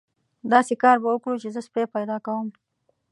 داسې کار به وکړو چې زه سپی پیدا کوم.